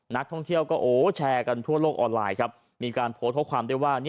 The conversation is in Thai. นักท่องเที่ยวก็โอ้แชร์กันทั่วโลกออนไลน์ครับมีการโพสต์ข้อความได้ว่า